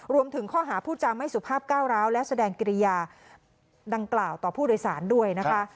รวมถึงข้อหาผู้จำไม่สุภาพก้าวร้าวและแสดงกิริยาดังกล่าวต่อผู้โดยสารด้วยนะคะ